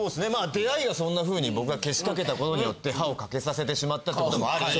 出会いがそんなふうに僕がけしかけたことによって歯を欠けさせてしまったってこともあるし。